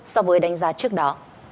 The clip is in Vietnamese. so với đánh giá trước đó